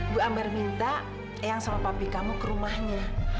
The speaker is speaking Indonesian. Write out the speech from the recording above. bu ambar minta eyang sama papi kamu ke rumahnya